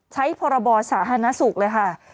พรบสาธารณสุขเลยค่ะ